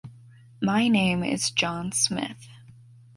My name is John Smith.